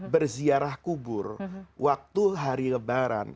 berziarah kubur waktu hari lebaran